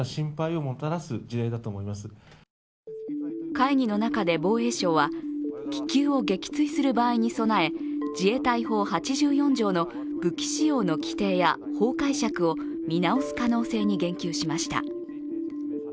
会議の中で防衛省は、気球を撃墜する場合に備え、自衛隊法８４条の武器使用の規定や法解釈を見直す可能性に言及しました。